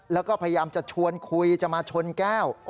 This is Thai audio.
แล้วก็พยายามจะชวนคุยจะมาชนแก้ว